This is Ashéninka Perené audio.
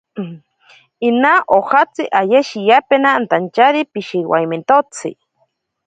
Ina ojatsi aye shiyapena antachari pishiwaimentotsi.